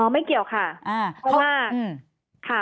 ไม่เกี่ยวค่ะ